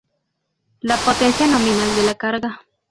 La potencia nominal de la carga.